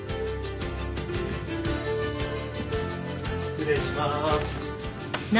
失礼します。